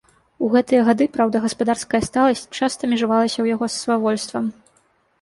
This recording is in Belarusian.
У гэтыя гады, праўда, гаспадарская сталасць часта межавалася ў яго з свавольствам.